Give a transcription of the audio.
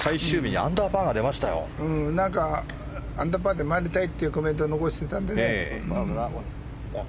アンダーパーで回りたいというコメントを残していたので。